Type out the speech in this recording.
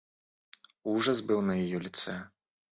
Ужас был на ее лице.